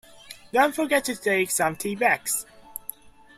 Don't forget to take some tea bags!